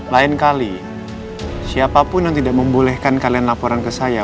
lain kali siapapun yang tidak membolehkan kalian laporan ke saya